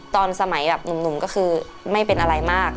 ตอนสมัยแบบหนุ่มก็คือไม่เป็นอะไรมาก